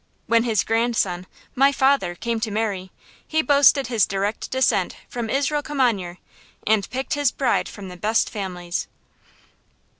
When his grandson, my father, came to marry, he boasted his direct descent from Israel Kimanyer, and picked his bride from the best families.